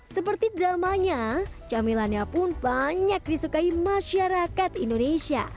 seperti dramanya camilannya pun banyak disukai masyarakat indonesia